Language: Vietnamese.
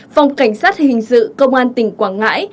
phòng cảnh sát hình sự công an tỉnh quảng ngãi